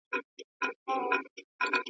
دغه د ميراث آيت نازل سو.